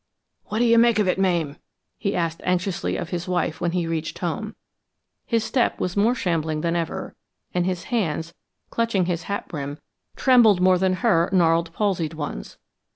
"What do you make of it, Mame?" he asked anxiously of his wife when he reached home. His step was more shambling than ever, and his hands, clutching his hat brim, trembled more than her gnarled, palsied ones.